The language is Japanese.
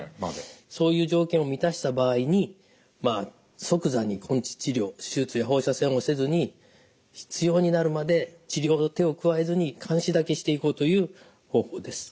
そういう条件を満たした場合にまあ即座に根治治療手術や放射線をせずに必要になるまで治療の手を加えずに監視だけしていこうという方法です。